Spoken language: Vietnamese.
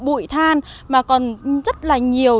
bụi than mà còn rất là nhiều